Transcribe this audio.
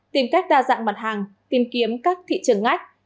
tìm cách đa dạng mặt hàng tìm kiếm các thị trường ngách